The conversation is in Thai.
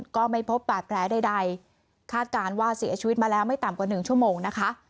ก็ไม่พบบาดแผลใดคาดการณ์ว่าเสียชีวิตมาแล้วไม่ต่ำกว่า๑ชั่วโมงนะคะ